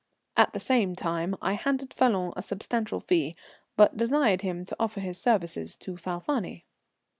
At the same time I handed Falloon a substantial fee, but desired him to offer his services to Falfani.